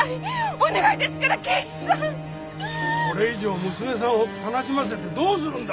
お願いですから刑事さん！これ以上娘さんを悲しませてどうするんだ！